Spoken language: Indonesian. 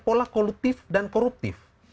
pola koluktif dan koruptif